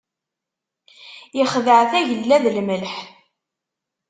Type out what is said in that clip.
Ixdeɛ tagella d lemleḥ.